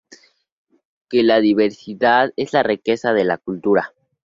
Que la diversidad es la riqueza de la cultura.